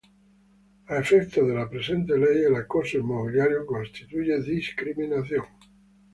A efectos de la presente ley, el acoso inmobiliario constituye discriminación.